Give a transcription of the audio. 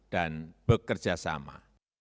dan bekerja sama